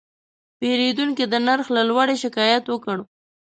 پیرودونکی د نرخ له لوړې شکایت وکړ.